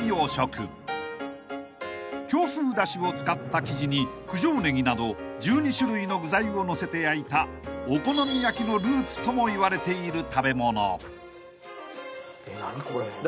［京風だしを使った生地に九条ねぎなど１２種類の具材をのせて焼いたお好み焼きのルーツともいわれている食べ物］え何これ。